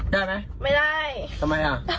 ได้ไหมไม่ได้ทำไมอ่ะ